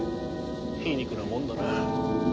皮肉なもんだな。